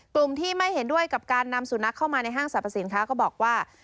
กลุ่มที่ไม่เห็นด้วยกับการนำสุนัขเข้ามาในห้างสรรพสินค้าก็บอกว่า